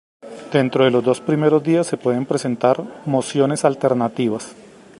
Dentro de los dos primeros días se pueden presentar mociones alternativas.